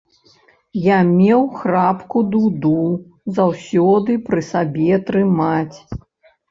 Я меў храпку дуду заўсёды пры сабе трымаць.